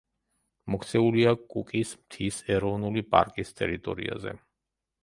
მოქცეულია კუკის მთის ეროვნული პარკის ტერიტორიაზე.